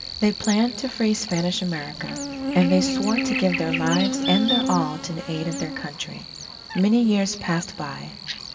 They planned to free Spanish America; and they swore to give their lives and their all to the aid of their Country. Many years passed by.